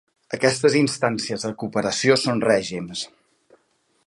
Aquestes instàncies de cooperació són règims.